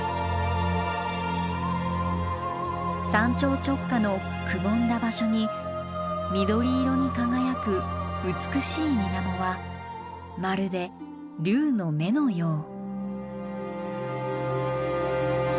山頂直下のくぼんだ場所に緑色に輝く美しい水面はまるで竜の眼のよう。